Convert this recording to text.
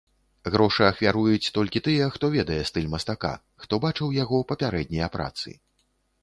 Грошы ахвяруюць толькі тыя, хто ведае стыль мастака, хто бачыў яго папярэднія працы.